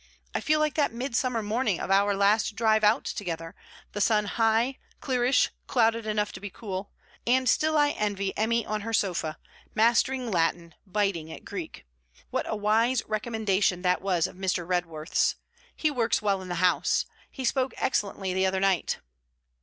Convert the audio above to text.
I feel like that midsummer morning of our last drive out together, the sun high, clearish, clouded enough to be cool. And still I envy Emmy on her sofa, mastering Latin, biting at Greek. What a wise recommendation that was of Mr. Redworth's! He works well in the House. He spoke excellently the other night.'